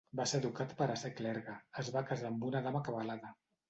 Va ser educat per a ser clergue, es va casar amb una dama acabalada.